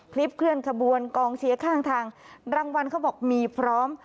เคลื่อนขบวนกองเชียร์ข้างทางรางวัลเขาบอกมีพร้อม